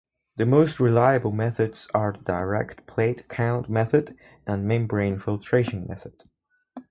The most reliable methods are direct plate count method and membrane filtration method.